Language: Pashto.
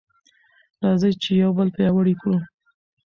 راځئ چې یو بل پیاوړي کړو.